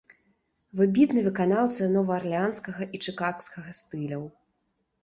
Выбітны выканаўца новаарлеанскага і чыкагскага стыляў.